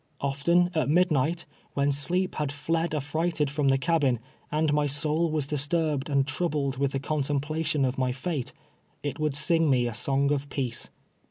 Often, at midnight, when sleep had fled affrighted from the cabin, and my soul was disturbed and troubled with the contemplation of my fate, it would sing me a song of peace.